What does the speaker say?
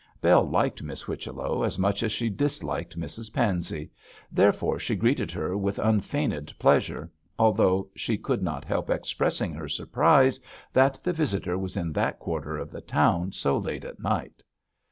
Bell liked Miss Whichello as much as she disliked Mrs Pansey, therefore she greeted her with unfeigned pleasure, although she could not help expressing her surprise that the visitor was in that quarter of the town so late at night.